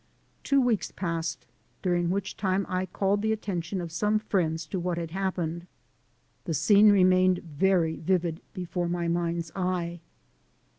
Two weeks passed, during which time I called the attention of some friends to what had happened. The scene remained very vivid before my mind's eye.